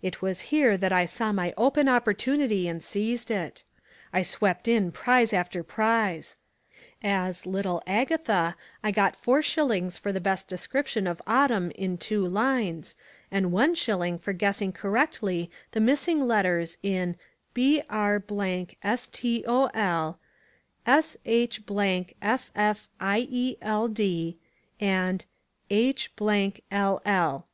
It was here that I saw my open opportunity and seized it. I swept in prize after prize. As "Little Agatha" I got four shillings for the best description of Autumn in two lines, and one shilling for guessing correctly the missing letters in BR STOL, SH FFIELD, and H LL.